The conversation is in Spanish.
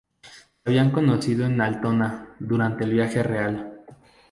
Se habían conocido en Altona durante el viaje real.